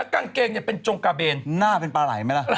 กางเกงจงกาเบล